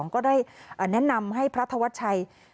ก็ได้แนะนำให้พระธวัชชัย